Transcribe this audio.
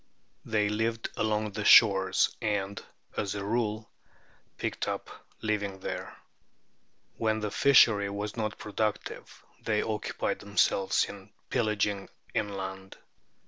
They lived along the shores, and, as a rule, picked up a living there. When the fishery was not productive they occupied themselves in pillaging inland.